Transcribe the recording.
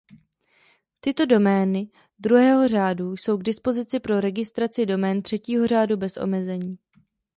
Tyto domény druhého řádu jsou k dispozici pro registraci domén třetího řádu bez omezení.